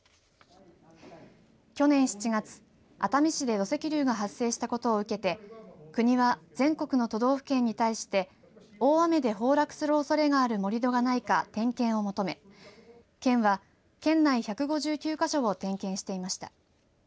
去年７月、熱海市で土石流が発生したことを受けて国は全国の都道府県に対して大雨で崩落するおそれがある盛り土がないか点検を求め県は県内１５９か所を点検していました。